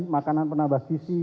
makanan penambah sisi